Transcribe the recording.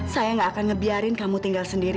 saya gak akan ngebiarin kamu tinggal sendiri